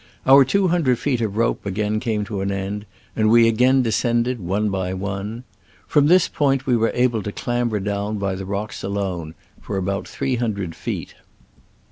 Our two hundred feet of rope again came to an end, and we again descended one by one. From this point we were able to clamber down by the rocks alone for about three hundred feet.